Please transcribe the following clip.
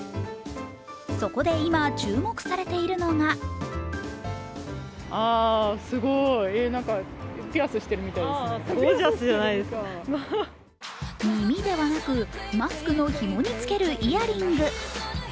そこで今、注目されているのが耳ではなく、マスクのひもにつけるイヤリング。